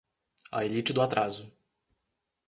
A elite do atraso